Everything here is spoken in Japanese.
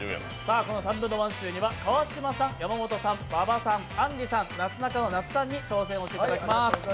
「サンブンノワンシュー」には川島さん、山本さん、馬場さん、あんりさん、なすなかの那須さんに挑戦していただきます。